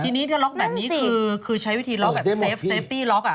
ทีนี้ถ้าล็อกแบบนี้คือใช้วิธีล็อกแบบเซฟตี้ล็อกอ่ะ